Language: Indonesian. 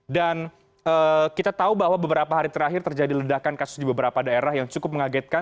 dan kita tahu bahwa beberapa hari terakhir terjadi ledakan kasus di beberapa daerah yang cukup mengagetkan